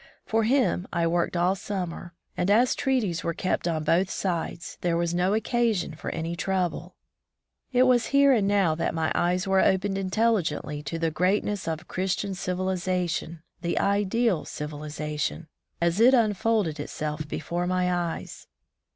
For him I worked all summer, and as treaties were kept on both sides, there was no occasion for any trouble. It was here and now that my eyes were opened intelligently to the greatness of Christian civilization, the ideal civilization, as it unfolded itself before my eyes.